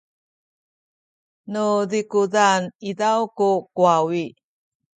nu zikuzan izaw ku kuwawi